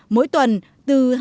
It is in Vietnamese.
mỗi tuần từ hai